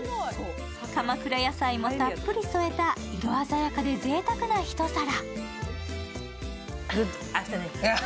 鎌倉野菜もたっぷり添えた色鮮やかでぜいたくな一皿。